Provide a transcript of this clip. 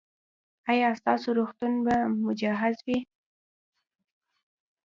ایا ستاسو روغتون به مجهز وي؟